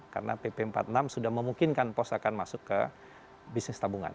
karena pp empat puluh enam sudah memungkinkan pos akan masuk ke bisnis tabungan